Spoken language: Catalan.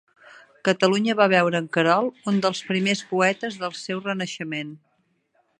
Catalunya va veure en Querol un dels primers poetes del seu renaixement.